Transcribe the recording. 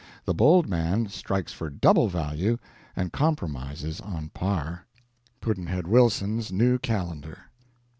The bold man strikes for double value and compromises on par. Pudd'nhead Wilson's New Calendar.